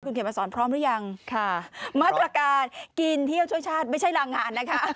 เขียนมาสอนพร้อมหรือยังค่ะมาตรการกินเที่ยวช่วยชาติไม่ใช่รางงานนะคะ